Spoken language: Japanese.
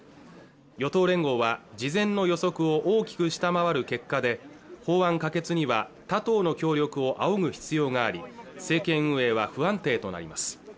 与党連合は事前の予測を大きく下回る結果で法案可決には他党の協力を仰ぐ必要があり政権運営は不安定となります